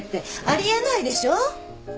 あり得ないでしょ。